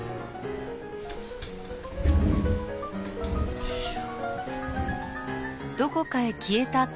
よいしょ。